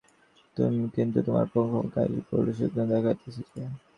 কিন্তু তোমার মুখখানি আজ বড়ো শুকনো দেখাইতেছে যে?